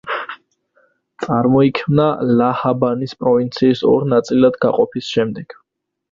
წარმოიქმნა ლა-ჰაბანის პროვინციის ორ ნაწილად გაყოფის შემდეგ.